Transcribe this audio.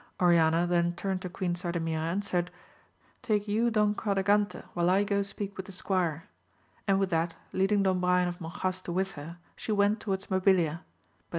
Oriana then turned to Queen Sardamira and said. Take you Don Quadragante while I go speak with the squire ; and with that, leading Don Brian of Monjaste with her, she went towards Mabilia, but